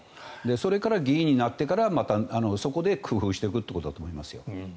それから議員になってからまたそこで工夫していくということだと思います。